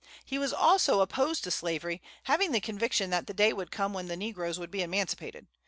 He was also opposed to slavery, having the conviction that the day would come when the negroes would be emancipated.